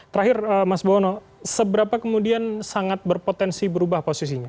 terakhir mas bowono seberapa kemudian sangat berpotensi berubah posisinya